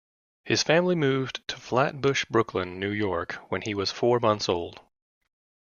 His family moved to Flatbush, Brooklyn, New York when he was four months old.